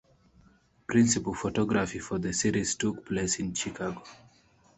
Principal photography for the series took place in Chicago.